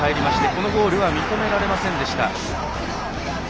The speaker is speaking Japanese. このゴールは認められませんでした。